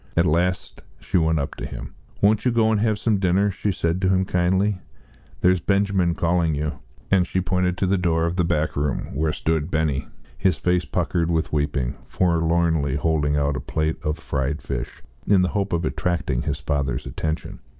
At last she went up to him. "Won't you go and have some dinner?" she said to him kindly. "There's Benjamin calling you," and she pointed to the door of the back room, where stood Benny, his face puckered with weeping, forlornly holding out a plate of fried fish, in the hope of attracting his father's attention.